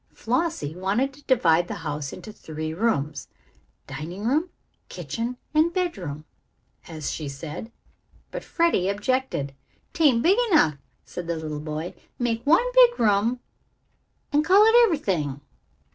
Flossie wanted to divide the house into three rooms, "dining room, kitchen, and bedroom," as she said, but Freddie objected. "'Taint big enough," said the little boy. "Make one big room and call it ev'rything."